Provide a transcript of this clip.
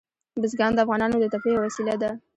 بزګان د افغانانو د تفریح یوه وسیله ده.